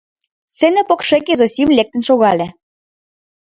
Сцена покшеке Зосим лектын шогале.